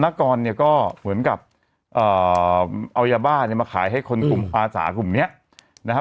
นากรเนี่ยก็เหมือนกับเอายาบ้าเนี่ยมาขายให้คนกลุ่มอาสากลุ่มนี้นะครับ